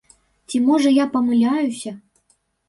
Ці можа я памыляюся?